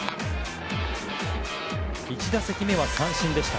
１打席目は三振でした。